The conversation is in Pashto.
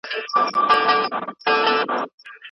موږ مهربانه یو.